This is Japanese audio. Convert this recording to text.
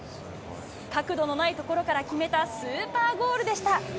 角度のない所から決めたスーパーゴールでした。